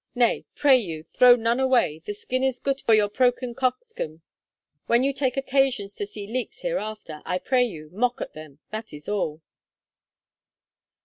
Nay, 'pray you, throw none away; the skin is goot for your proken coxcomb. When you take occasions to see leeks hereafter, I pray you, mock at them! that is all.